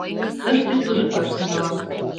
Тыште служитлаш тӱҥалам.